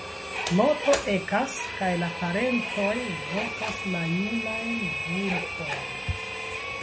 Nokto ekas, kaj la parentoj vokas la junajn vulpojn.